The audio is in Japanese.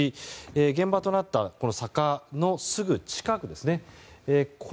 現場となった坂のすぐ近くです。